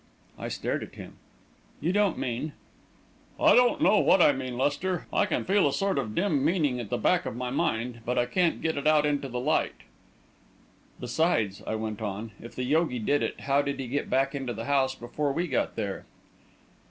I stared at him. "You don't mean...." "I don't know what I mean, Lester. I can feel a sort of dim meaning at the back of my mind, but I can't get it out into the light." "Besides," I went on, "if the yogi did it, how did he get back into the house before we got there?"